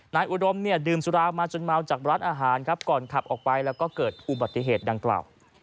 อุดมเนี่ยดื่มสุรามาจนเมาจากร้านอาหารครับก่อนขับออกไปแล้วก็เกิดอุบัติเหตุดังกล่าว